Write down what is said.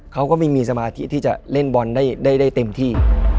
เขาก็ไม่มีสมาธิที่จะเล่นบอลได้เต็มที่